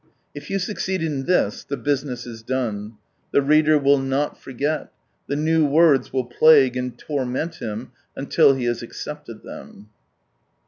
If you suc ceed in this, the business is done. The reader will not forget — the new words will plague and torment him until he has accepted them.